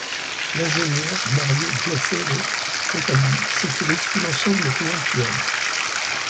L'ingénieur Mario Gioffredo, quant à lui, sécurise tout l'ensemble conventuel.